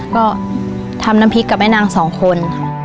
ก็ทำน้ำพริกกับแม่นางสองคน